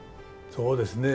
そうですね。